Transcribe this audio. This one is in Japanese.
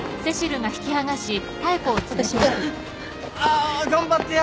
あ頑張ってや。